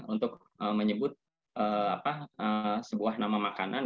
untuk menyebut sebuah nama makanan